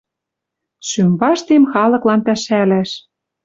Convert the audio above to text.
Шӱм ваштем халыклан пӓшӓлӓш.